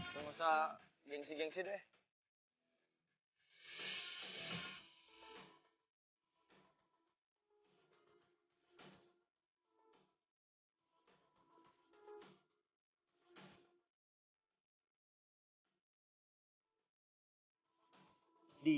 lo gak usah gengsi gengsi deh